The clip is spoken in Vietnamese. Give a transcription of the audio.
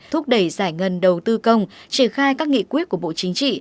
thúc đẩy giải ngân đầu tư công triển khai các nghị quyết của bộ chính trị